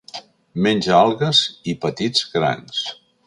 Menja algues i petits crancs.